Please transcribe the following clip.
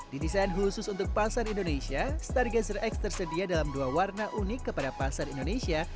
didesain khusus untuk pasar indonesia stargazer x tersedia dalam dua warna unik kepada pasar indonesia